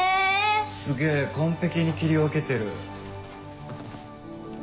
すげぇ完璧に切り分けてる。